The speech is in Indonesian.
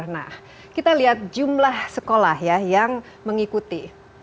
nah kita lihat jumlah sekolah ya yang mengikuti